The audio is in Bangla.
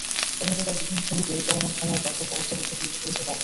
এভাবে তাঁর বিভিন্ন ছবিতে চলমান সময়ের বাস্তব অবস্থা প্রতিফলিত হয়েছে বারবার।